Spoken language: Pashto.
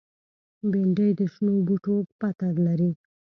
بېنډۍ د شنو بوټو پته لري